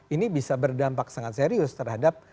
ini bisa berdampak sangat serius terhadap